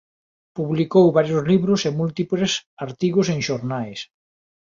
Publicou varios libros e múltiples artigos en xornais.